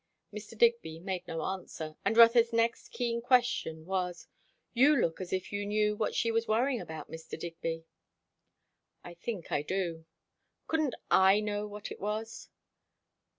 Mr. Digby made no answer; and Rotha's next keen question was, "You look as if you knew what she was worrying about, Mr. Digby?" "I think I do." "Couldn't I know what it was?"